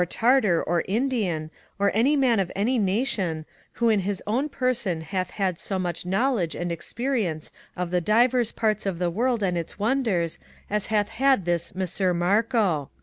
Tartar, or Indian, or any man of any nation, who in his own person hath had so much knowledge and experience of the divers parts of the World and its Wonders as hath had this Messer Marco